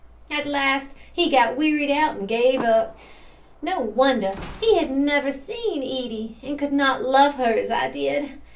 At last he got wearied out and gave it up. No wonder; he had never seen Edie, and could not love her as I did.